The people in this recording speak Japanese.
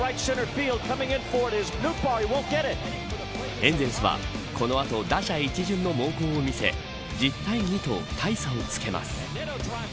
エンゼルスはこの後打者一巡の猛攻を見せ１０対２と大差をつけます。